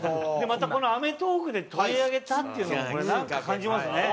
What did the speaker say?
またこの『アメトーーク』で取り上げたっていうのもこれなんか感じますね。